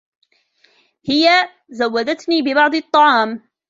هي ذودتني ببعض الطعام.